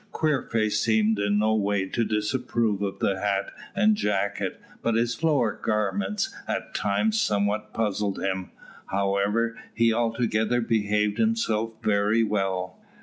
Queerface seemed in no way to disapprove of the hat and jacket, but his lower garments at times somewhat puzzled him; however, he altogether behaved himself very well.